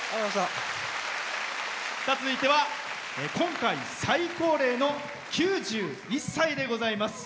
続いては今回最高齢の９１歳でございます。